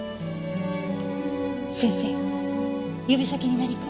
先生指先に何か。